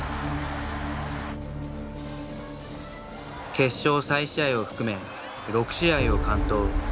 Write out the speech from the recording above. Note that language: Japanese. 決勝・再試合を含め６試合を完投。